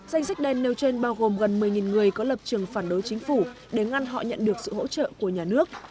danh sách đen nêu trên bao gồm gần một mươi người có lập trường phản đối chính phủ để ngăn họ nhận được sự hỗ trợ của nhà nước